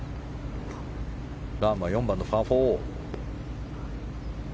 ラームは４番のパー４。